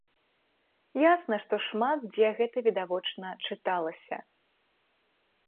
Ясна, што шмат дзе гэта відавочна чыталася.